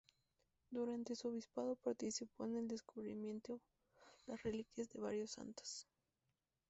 Durante su obispado participó en el descubrimiento las reliquias de varios santos.